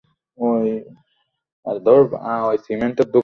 যা তাঁর ইচ্ছা করছে না।